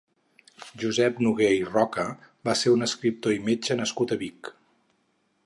Josep Nogué i Roca va ser un escriptor i metge nascut a Vic.